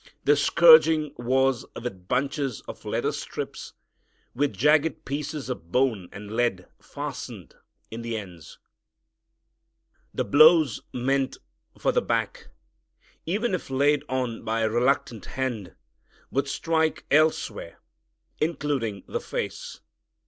The scourging was with bunches of leather strips with jagged pieces of bone and lead fastened in the ends. The blows meant for the back, even if laid on by a reluctant hand, would strike elsewhere, including the face.